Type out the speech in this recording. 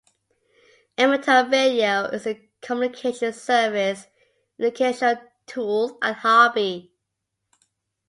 Amateur radio is a communications service, educational tool and hobby.